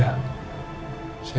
dan juga papanya ren